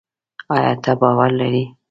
ایا ته باور لري؟